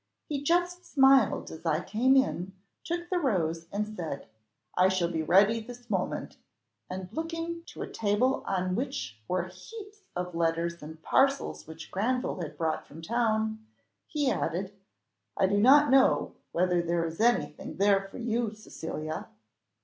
He just smiled as I came in, took the rose, and said, 'I shall be ready this moment:' and looking to a table on which were heaps of letters and parcels which Granville had brought from town, he added, 'I do not know whether there is anything there for you, Cecilia?